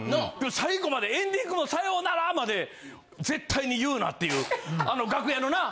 最後までエンディングもさようならまで絶対に言うなっていうあの楽屋のな？